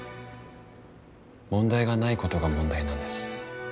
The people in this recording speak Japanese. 問題がないことが問題なんです。